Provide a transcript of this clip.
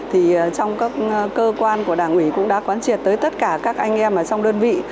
thì trong các cơ quan của đảng ủy cũng đã quán triệt tới tất cả các anh em ở trong đơn vị